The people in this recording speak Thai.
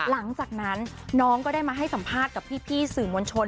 หลังจากนั้นน้องก็ได้มาให้สัมภาษณ์กับพี่สื่อมวลชน